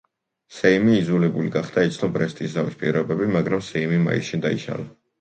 სეიმი იძულებული გახდა ეცნო ბრესტის ზავის პირობები, მაგრამ სეიმი მაისში დაიშალა.